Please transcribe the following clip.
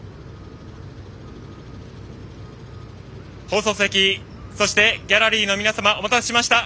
放送席そしてギャラリーの皆様お待たせしました。